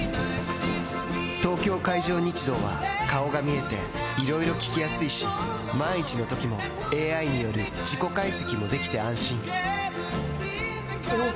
東京海上日動は顔が見えていろいろ聞きやすいし万一のときもＡＩによる事故解析もできて安心おぉ！